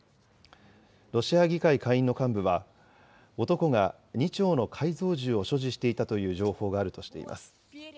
ロシア議会下院の幹部は、男が２丁の改造銃を所持していたという情報があるとしています。